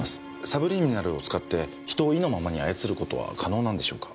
サブリミナルを使って人を意のままに操ることは可能なんでしょうか？